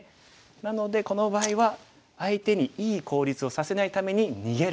なのでこの場合は相手にいい効率をさせないために逃げる。